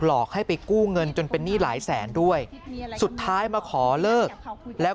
หลอกให้ไปกู้เงินจนเป็นหนี้หลายแสนด้วยสุดท้ายมาขอเลิกแล้ว